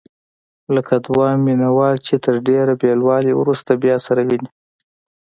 لکه دوه مینه وال چې تر ډېر بېلوالي وروسته بیا سره ویني.